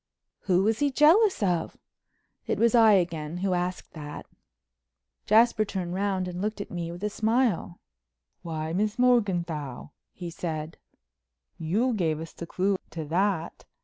"Who was he jealous of?" It was I again who asked that. Jasper turned round and looked at me with a smile. "Why, Miss Morganthau," he said, "you gave us the clue to that.